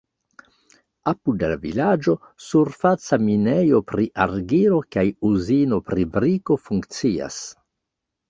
Apud la vilaĝo surfaca minejo pri argilo kaj uzino pri briko funkcias.